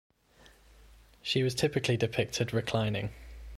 She was typically depicted reclining.